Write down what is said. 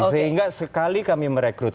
sehingga sekali kami merekrut